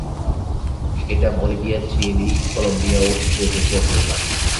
এটা Bolivia, Chile, Colombia ও ইকুয়েডরের জাতীয় পাখি।